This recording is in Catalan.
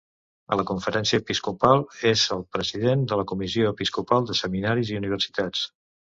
A la Conferència Episcopal és el President de la Comissió Episcopal de Seminaris i Universitats.